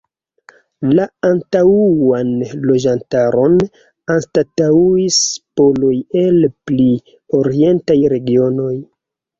La antaŭan loĝantaron anstataŭis poloj el pli orientaj regionoj.